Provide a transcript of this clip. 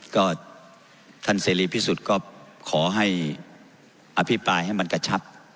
ก็ท่านเสรีพิสุทธิ์ก็ขอให้อภิปรายให้มันกระชับ